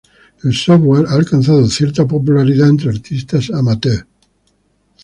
El software ha alcanzado cierta popularidad entre artistas amateur.